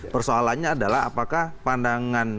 persoalannya adalah apakah pandangan